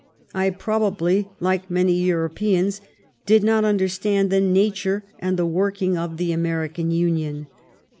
I, probably, like many Europeans, did not understand the nature and the working of the American Union.